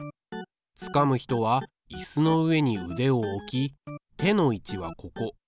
つかむ人はいすの上にうでを置き手の位置はここ。